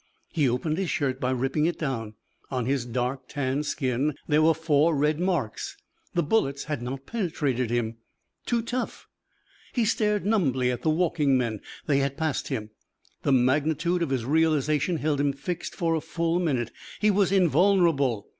He opened his shirt by ripping it down. On his dark tanned skin there were four red marks. The bullets had not penetrated him. Too tough! He stared numbly at the walking men. They had passed him. The magnitude of his realization held him fixed for a full minute. He was invulnerable!